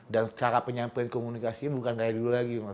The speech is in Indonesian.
dan cara penyampaian komunikasi bukan kayak dulu lagi